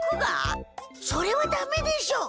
それはダメでしょ。